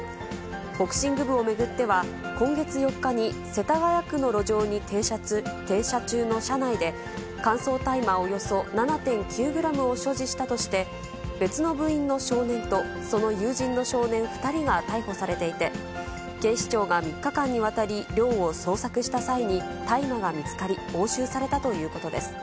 ボクシング部を巡っては、今月４日に世田谷区の路上に停車中の車内で、乾燥大麻およそ７．９グラムを所持したとして、別の部員の少年とその友人の少年２人が逮捕されていて、警視庁が３日間にわたり、寮を捜索した際に、大麻が見つかり、押収されたということです。